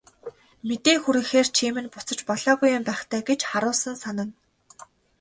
Мэдээ хүргэхээр чи минь буцаж болоогүй юм байх даа гэж харуусан санана.